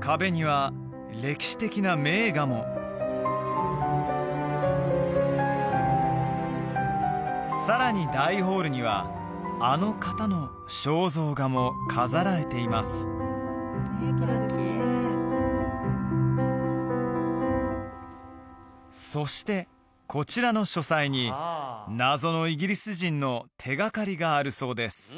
壁には歴史的な名画もさらに大ホールにはあの方の肖像画も飾られていますそしてこちらの書斎に謎のイギリス人の手がかりがあるそうです